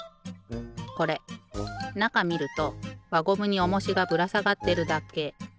これなかみるとわゴムにおもしがぶらさがってるだけ。